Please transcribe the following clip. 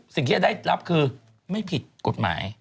สิ่งที่จะได้รับคือไม่ผิดกฎหมาย